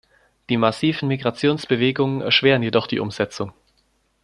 Die massiven Migrationsbewegungen erschweren jedoch die Umsetzung.